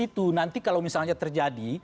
itu nanti kalau misalnya terjadi